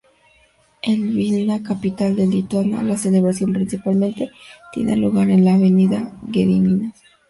En Vilna capital de Lituania, la celebración principal tiene lugar en la Avenida Gediminas.